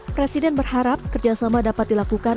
presiden berharap kerjasama dapat dilakukan